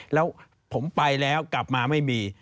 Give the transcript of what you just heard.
แล้วผมไปแล้วกลับมาไม่มี